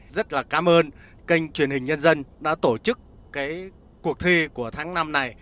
rất là cảm ơn kênh truyền hình nhân dân đã tổ chức cuộc thi của tháng năm này